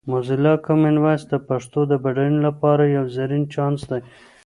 موزیلا کامن وایس د پښتو د بډاینې لپاره یو زرین چانس دی.